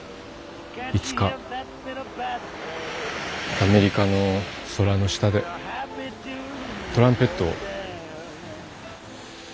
いつかアメリカの空の下でトランペットを。